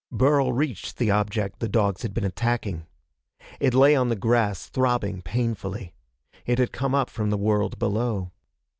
Burl reached the object the dogs had been attacking. It lay on the grass, throbbing painfully. It had come up from the world below.